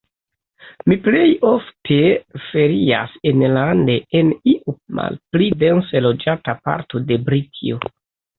Mi plejofte ferias enlande, en iu malpli dense loĝata parto de Britio.